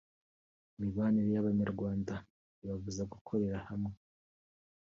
imibanire y’abanyarwanda ibabuza gukorera hamwe